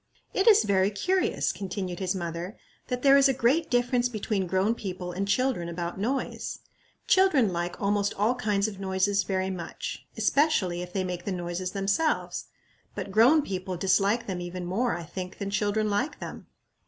"It is very curious," continued his mother, "that there is a great difference between grown people and children about noise. Children like almost all kinds of noises very much, especially, if they make the noises themselves; but grown people dislike them even more, I think, than children like them.